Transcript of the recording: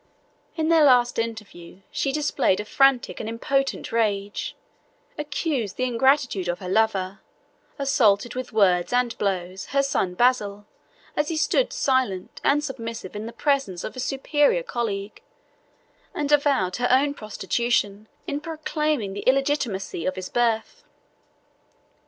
In their last interview, she displayed a frantic and impotent rage; accused the ingratitude of her lover; assaulted, with words and blows, her son Basil, as he stood silent and submissive in the presence of a superior colleague; and avowed her own prostitution in proclaiming the illegitimacy of his birth.